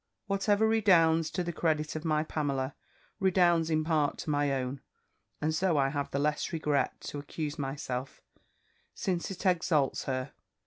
Whatever redounds to the credit of my Pamela, redounds in part to my own; and so I have the less regret to accuse myself, since it exalts her.